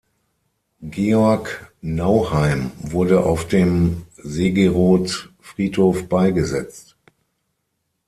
Georg Nauheim wurde auf dem Segeroth-Friedhof beigesetzt.